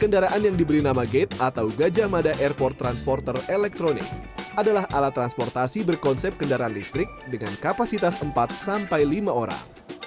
kendaraan yang diberi nama gate atau gajah mada airport transporter elektronik adalah alat transportasi berkonsep kendaraan listrik dengan kapasitas empat sampai lima orang